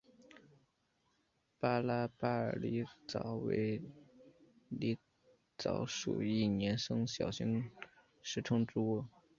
马拉巴尔狸藻为狸藻属一年生小型食虫植物。